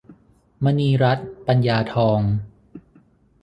มณีรัตน์ ปัญญาทอง